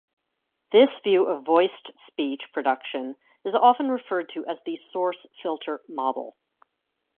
This view of voiced speech production is often referred to as the source-filter model.